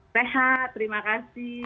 sehat terima kasih